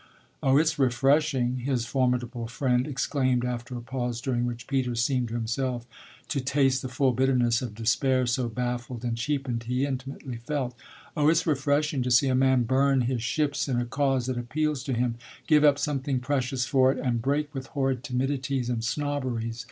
Oh it's refreshing," his formidable friend exclaimed after a pause during which Peter seemed to himself to taste the full bitterness of despair, so baffled and cheapened he intimately felt "oh it's refreshing to see a man burn his ships in a cause that appeals to him, give up something precious for it and break with horrid timidities and snobberies!